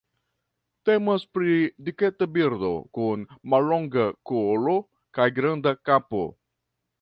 Temas pri diketa birdo, kun mallonga kolo kaj granda kapo.